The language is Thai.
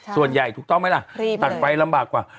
ส่วนใหญ่ถูกต้องไหมล่ะตัดไฟลำบากกว่า